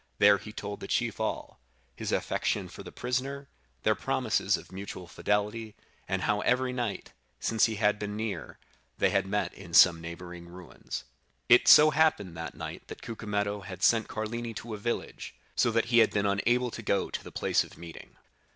There he told the chief all—his affection for the prisoner, their promises of mutual fidelity, and how every night, since he had been near, they had met in some neighboring ruins. 20109m "It so happened that night that Cucumetto had sent Carlini to a village, so that he had been unable to go to the place of meeting.